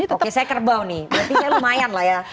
oke saya kerbau nih berarti saya lumayan lah ya